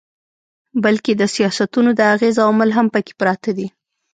بلکي د سياستونو د اغېز عوامل هم پکښې پراته دي